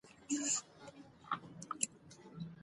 انګلیس میجر بروز جنگ ته اړ کړی وو.